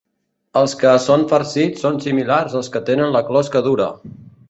Els que són farcits són similars als que tenen la closca dura.